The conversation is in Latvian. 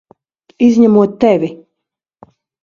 Izņemot tevi!